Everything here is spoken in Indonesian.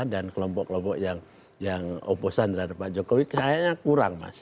dan kelompok kelompok yang oposan daripada pak jokowi kayaknya kurang mas